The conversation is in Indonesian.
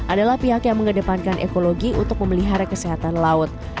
adalah pihak yang mengedepankan ekologi untuk memelihara kesehatan laut